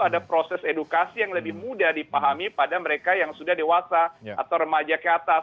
ada proses edukasi yang lebih mudah dipahami pada mereka yang sudah dewasa atau remaja ke atas